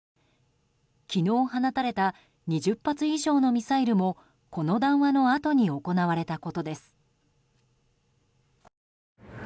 昨日放たれた２０発以上のミサイルもこの談話のあとに行われたことです。